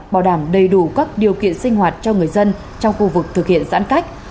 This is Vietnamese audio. bảo đảm đầy đủ các điều kiện sinh hoạt cho người dân trong khu vực thực hiện giãn cách